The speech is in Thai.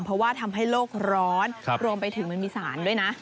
เพราะว่าทำให้โลกร้อนรวมไปถึงมันมีสารด้วยนะ